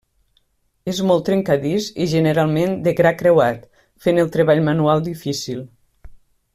És molt trencadís i generalment de gra creuat, fent el treball manual difícil.